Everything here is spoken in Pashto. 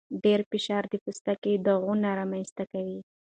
ډېر فشار د پوستکي داغونه رامنځته کوي.